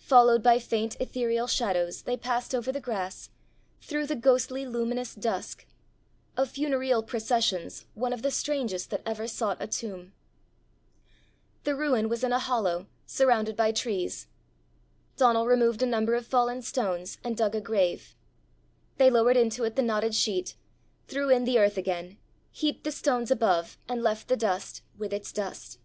Followed by faint ethereal shadows, they passed over the grass, through the ghostly luminous dusk of funereal processions one of the strangest that ever sought a tomb. The ruin was in a hollow, surrounded by trees. Donal removed a number of fallen stones and dug a grave. They lowered into it the knotted sheet, threw in the earth again, heaped the stones above, and left the dust with its dust.